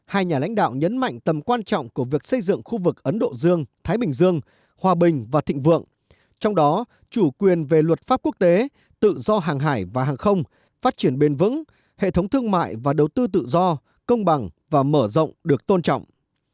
hai nhà lãnh đạo nhấn mạnh tầm quan trọng của việc xây dựng khu vực ấn độ dương thái bình dương hòa bình và thịnh vượng trong đó chủ quyền về luật pháp quốc tế tự do hàng hải và hàng không phát triển bền vững hệ thống thương mại và đầu tư tự do công bằng và mở rộng được tôn trọng